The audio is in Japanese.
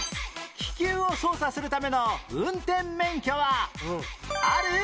気球を操作するための運転免許はある？